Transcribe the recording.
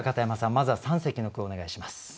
まずは三席の句をお願いします。